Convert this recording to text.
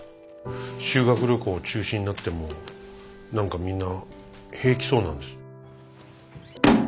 修学旅行中止になっても何かみんな平気そうなんです。